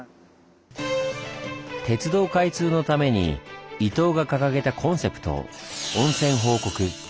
鉄道開通のために伊東が掲げたコンセプト